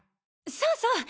そうそう！